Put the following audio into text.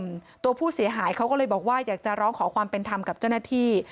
ตัวผู้เสียหายเขาก็เลยบอกว่าอยากจะร้องขอความเป็นธรรมกับเจ้าหน้าที่